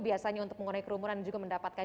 biasanya untuk mengenai kerumunan juga mendapatkan